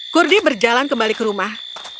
kurdi berjalan kembali ke rumah